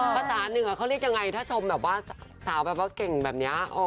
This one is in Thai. ภาษาเหนือเขาเรียกยังไงถ้าชมแบบว่าสาวแบบว่าเก่งแบบนี้